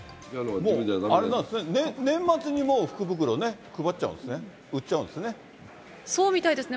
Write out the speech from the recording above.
もうあれなんですね、年末にもう、福袋ね、配っちゃうんですね、売っちゃうんですね。